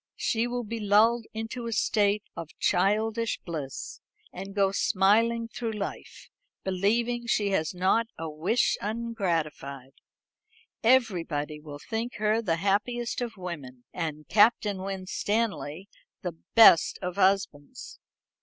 She will be lulled into a state of childish bliss, and go smiling through life, believing she has not a wish ungratified. Everybody will think her the happiest of women, and Captain Winstanley the best of husbands."